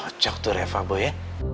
kocok tuh reva boy ya